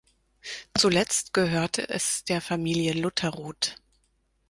Zuletzt gehörte es der Familie Lutteroth.